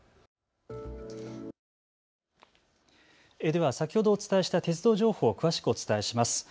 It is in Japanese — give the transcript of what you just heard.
では先ほどお伝えした鉄道の情報を詳しくお伝えします。